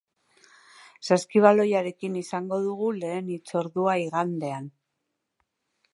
Saskibaloiarekin izango dugu lehen hitzordua igandean.